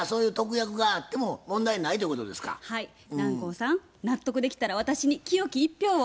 南光さん納得できたら私に清き一票を。